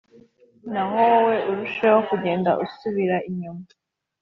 naho wowe urusheho kugenda usubira inyuma